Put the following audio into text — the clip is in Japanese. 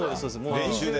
練習で？